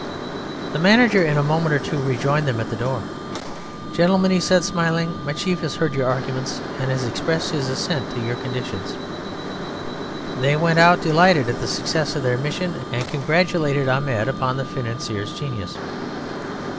The manager in a moment or two rejoined them at the door. "Gentlemen," he said, smiling, "my chief has heard your arguments and has expressed his assent to your conditions." They went out, delighted at the success of their mission, and congratulated Ahmed upon the financier's genius.